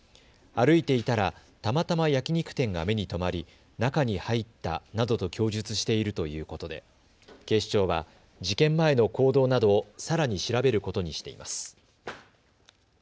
歩いていたらたまたま焼き肉店が目にとまり中に入ったなどと供述しているということで警視庁は事件前の行動などをさらに調べることにしています。